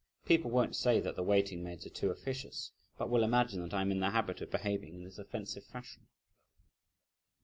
People won't say that the waiting maids are too officious, but will imagine that I'm in the habit of behaving in this offensive fashion."